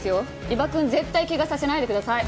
伊庭くん絶対怪我させないでください。